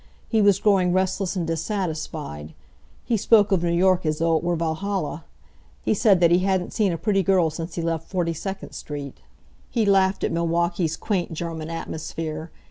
He was growing restless and dissatisfied. He spoke of New York as though it were Valhalla. He said that he hadn't seen a pretty girl since he left Forty second street. He laughed at Milwaukee's quaint German atmosphere.